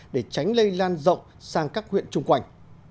để tránh lây lan rộng sang các huyện chung quanh